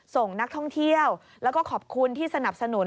ส่งนักท่องเที่ยวแล้วก็ขอบคุณที่สนับสนุน